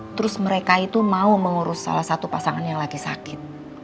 terus mereka itu mau mengurus salah satu pasangan yang lagi sakit